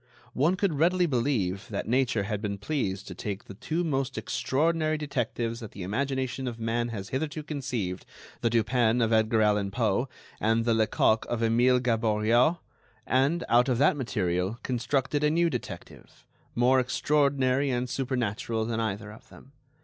One could readily believe that nature had been pleased to take the two most extraordinary detectives that the imagination of man has hitherto conceived, the Dupin of Edgar Allen Poe and the Lecoq of Emile Gaboriau, and, out of that material, constructed a new detective, more extraordinary and supernatural than either of them.